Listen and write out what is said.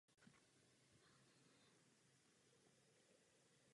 Založil si v Halle úspěšnou chirurgickou kliniku.